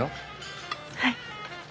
はい。